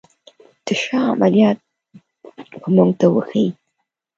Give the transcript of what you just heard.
د شاه عملیات به موږ ته وښيي.